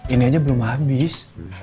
ini aja belum habis